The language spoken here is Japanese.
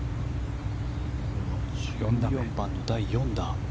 １４番の第４打。